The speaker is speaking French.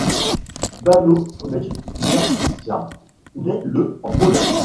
Bartłomiej Matysiak naît le en Pologne.